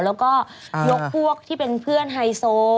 แล้วก็ยกพวกที่เป็นเพื่อนไฮโซ